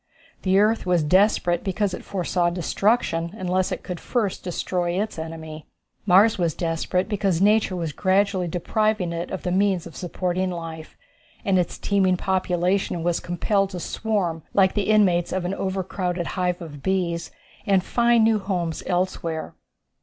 The earth was desperate because it foresaw destruction unless it could first destroy its enemy. Mars was desperate because nature was gradually depriving it of the means of supporting life, and its teeming population was compelled to swarm like the inmates of an overcrowded hive of bees, and find new homes elsewhere.